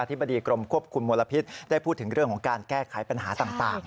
ธิบดีกรมควบคุมมลพิษได้พูดถึงเรื่องของการแก้ไขปัญหาต่าง